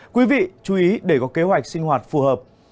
quý vị chú ý để có kế hoạch sinh hoạt phù hợp